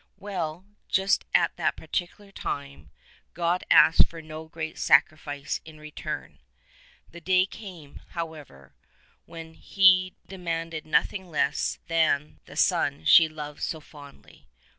Well, just at that particular time, God asked for no great sacrifice in return : the day came, however, when He de manded nothing less than the son she loved so fondly.